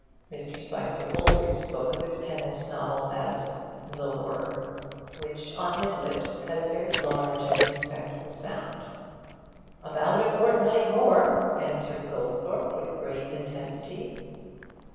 Mr. Spicer always spoke of his tenant's novel as 'the work' which on his lips had a very large and respectful sound. 'About a fortnight more,' answered Goldthorpe with grave intensity.